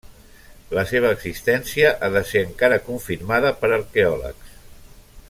La seva existència ha de ser encara confirmada per arqueòlegs.